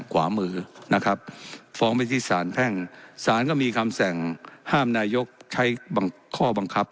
ที่สุดเขาก็ฟ้องไว้ที่ศาลแพ่งศาลก็มีคำแสงห้ามนายกใช้บางค่อบังคับ